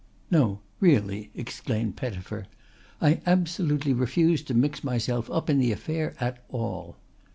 "No really," exclaimed Pettifer. "I absolutely refuse to mix myself up in the affair at all."